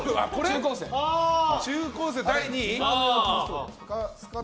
中高生第２位。